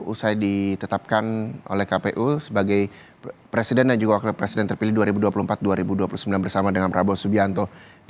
usai ditetapkan oleh kpu sebagai presiden dan juga wakil presiden terpilih dua ribu dua puluh empat dua ribu dua puluh sembilan bersama dengan prabowo subianto